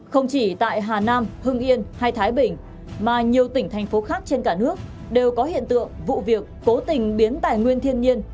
không chỉ tại hà nam hưng yên hay thái bình mà nhiều tỉnh thành phố khác trên cả nước đều có hiện tượng vụ việc cố tình biến tài nguyên thiên nhiên